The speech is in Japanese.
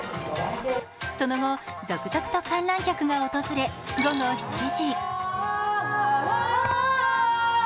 その後、続々と観覧客が訪れ、午後７時。